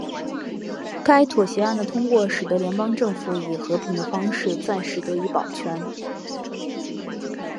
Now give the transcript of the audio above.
该妥协案的通过使得联邦政府以和平的方式暂时得以保全。